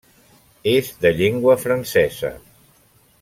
És de llengua francesa.